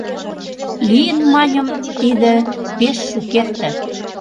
Лийын, маньым, тиде пеш шукерте.